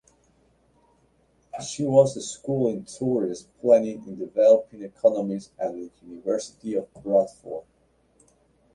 She was scholar in tourism planning in developing economies at the University of Bradford.